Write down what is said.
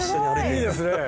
いいですね。